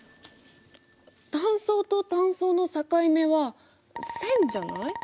単層と単層の境目は線じゃない？